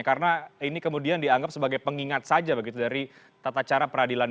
karena ini kemudian dianggap sebagai pengingat saja begitu dari tata cara peradilan miliknya